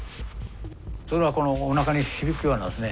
それはこのおなかに響くようなですね